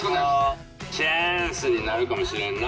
「チャンスになるかもしれんな」